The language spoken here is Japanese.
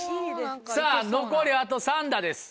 さぁ残りあと３打です。